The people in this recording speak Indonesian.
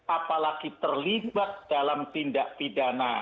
apalagi terlibat dalam tindak pidana